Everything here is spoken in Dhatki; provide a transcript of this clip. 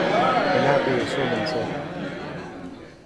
منا بي حصو ملسي.